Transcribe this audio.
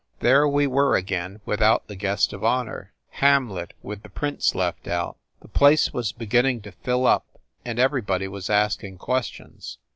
There we were again without the guest of honor. Hamlet, with the prince left out. The place was beginning to fill up and everybody was asking questions."